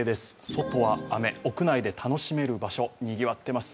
外は雨、屋内で楽しめる場所、にぎわってます。